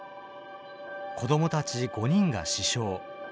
子どもたち５人が死傷。